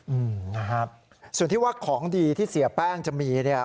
อืมนะครับส่วนที่ว่าของดีที่เสียแป้งจะมีเนี่ย